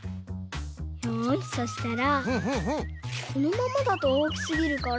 よしそしたらこのままだとおおきすぎるから。